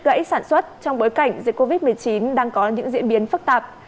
các doanh nghiệp sản xuất trong bối cảnh dịch covid một mươi chín đang có những diễn biến phức tạp